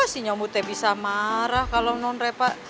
si nyomudnya bisa marah kalau mereka